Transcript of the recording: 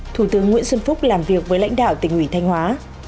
thủ tướng nguyễn xuân phúc làm việc với lãnh đạo tỉnh ủy thanh hóa